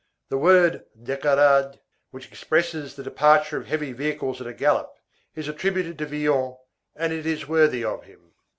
The word décarade, which expresses the departure of heavy vehicles at a gallop, is attributed to Villon, and it is worthy of him.